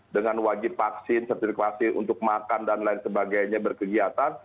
dengan wajib vaksin sertifikasi untuk makan dan lain sebagainya berkegiatan